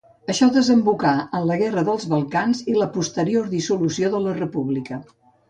Això desembocà en la Guerra dels Balcans i la posterior dissolució de la República.